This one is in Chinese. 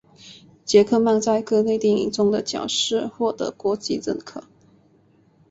杰克曼在各类电影中的角色获得国际认可。